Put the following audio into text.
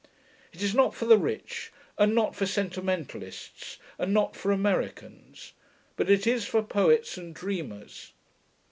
It is not for the rich, and not for sentimentalists, and not for Americans; but it is for poets and dreamers.